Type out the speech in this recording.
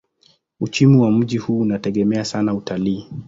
Uchumi wa mji huu unategemea sana utalii.